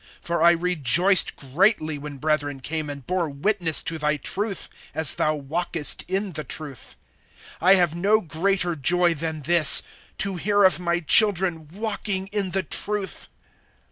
(3)For I rejoiced greatly, when brethren came and bore witness to thy truth, as thou walkest in the truth. (4)I have no greater joy than this, to hear of my children walking in the truth.